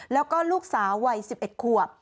แล้วก็ลูกสาววัย๑๑ขวบ